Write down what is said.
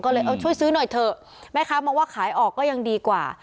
ก็เลยเอาช่วยซื้อหน่อยเถอะแม่ค้ามองว่าขายออกก็ยังดีกว่า